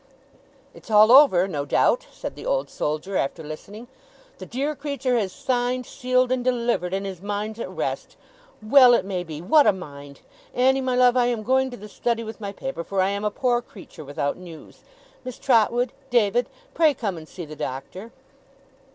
'It's all over, no doubt,' said the Old Soldier, after listening; 'the dear creature has signed, sealed, and delivered, and his mind's at rest. Well it may be! What a mind! Annie, my love, I am going to the Study with my paper, for I am a poor creature without news. Miss Trotwood, David, pray come and see the Doctor.